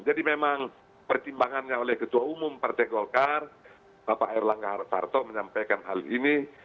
jadi memang pertimbangannya oleh ketua umum partai golkar bapak erlangga hartarto menyampaikan hal ini